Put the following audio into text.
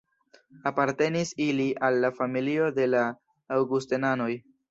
Apartenis ili al la familio de la Aŭgustenanoj.